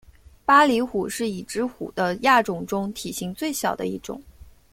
巴厘虎是已知虎的亚种中体型最小的一种。